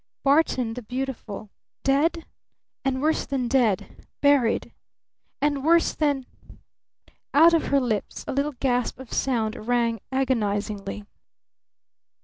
Barton, the beautiful dead? And worse than dead buried? And worse than Out of her lips a little gasp of sound rang agonizingly.